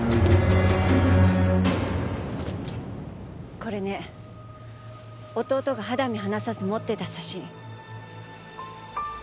これね弟が肌身離さず持ってた写真。